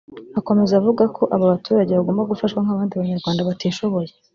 Akomeza avuga ko aba baturage bagomba gufashwa nk’abandi banyarwanda batishoboye